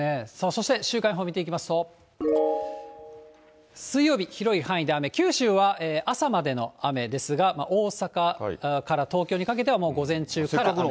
そして週間予報見ていきますと、水曜日、広い範囲で雨、九州は朝までの雨ですが、大阪から東京にかけては、もう午前中から雨。